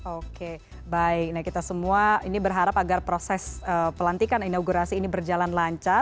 oke baik nah kita semua ini berharap agar proses pelantikan inaugurasi ini berjalan lancar